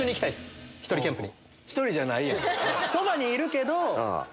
１人じゃないやん。